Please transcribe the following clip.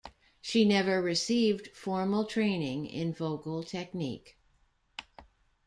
She never received formal training in vocal technique.